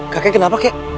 kakek kenapa kek